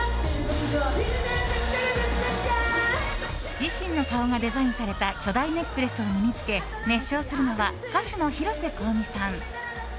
自身の顔がデザインされた巨大ネックレスを身に着け熱唱するのは歌手の広瀬香美さん。